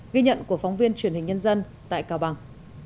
ghi nhận của phóng viên truyền hình nhân dân tại cao bằng